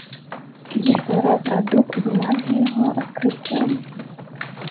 Гісторыя пра дуб была для яго адкрыццём.